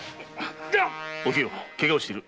お清ケガをしている。